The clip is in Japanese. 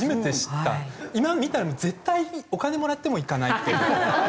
今見たら絶対にお金もらっても行かないって。